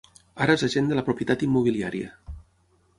Ara és agent de la propietat immobiliària.